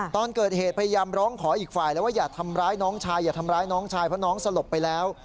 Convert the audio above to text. ตอนเกิดเหตุพยายามร้องขออีกฝ่ายแล้วว่าอย่าทำร้ายน้องชายอย่าทำร้ายน้องชายเพราะน้องสลบไปแล้ว